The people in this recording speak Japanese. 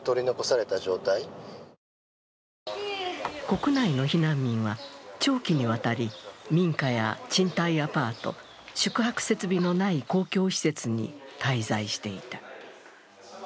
国内の避難民は長期にわたり民家や賃貸アパート、宿泊設備のない公共施設に滞在していた。